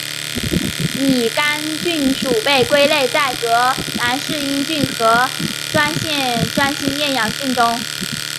拟杆菌属被归类在革兰氏阴性菌和专性厌氧菌中。